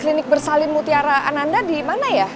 klinik bersalin mutiara ananda dimana ya